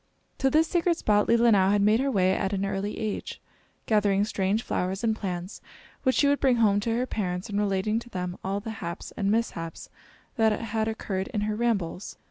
To this sacred spot Leelinau had made her way at an early age, gathering strange flowers and plants, which she would bring home to her parents, and relating to them all the haps and mishaps that had occurred in her rambles.